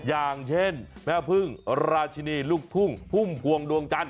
อย่างเช่นแม่พึ่งราชินีลูกทุ่งพุ่มพวงดวงจันท